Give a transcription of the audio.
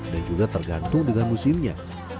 dan juga tergantung dengan musimnya